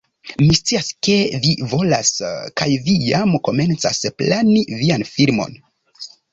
Mi scias, ke vi volas kaj vi jam komencas plani vian filmon